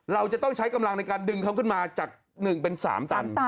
เราจะต้องใช้กำลังในการดึงเขาขึ้นมาจาก๑เป็น๓ตัน